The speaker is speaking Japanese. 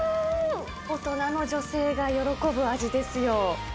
大人の女性が喜ぶ味ですよ。